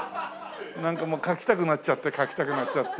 なんかもう書きたくなっちゃって書きたくなっちゃって。